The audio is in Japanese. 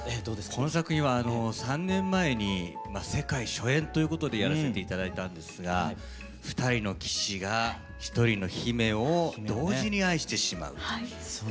この作品は３年前に世界初演ということでやらせて頂いたんですが２人の騎士が１人の姫を同時に愛してしまうという。